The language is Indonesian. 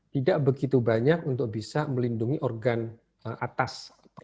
tidak begitu banyak untuk bisa melindungi organ atas